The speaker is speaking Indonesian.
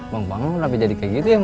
bang bang kenapa jadi kayak gitu ya bang